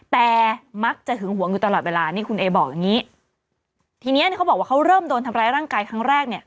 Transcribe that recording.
แต่มักจะหึงหวงอยู่ตลอดเวลานี่คุณเอบอกอย่างงี้ทีเนี้ยเขาบอกว่าเขาเริ่มโดนทำร้ายร่างกายครั้งแรกเนี่ย